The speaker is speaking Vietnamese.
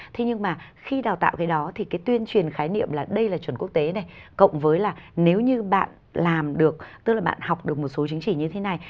thế nhưng mà khi đào tạo cái đó thì cái tuyên truyền khái niệm là đây là chuẩn quốc tế này cộng với là nếu như bạn làm được tức là bạn học được một số chứng chỉ như thế này